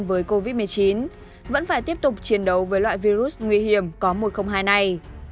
với covid một mươi chín vẫn phải tiếp tục chiến đấu với loại virus nguy hiểm có một trăm linh hai này